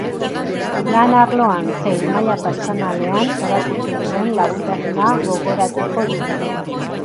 Lan arloan zein maila pertsonalean erakutsi zuen laguntasuna gogoratuko dugu.